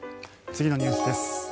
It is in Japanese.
次のニュースです。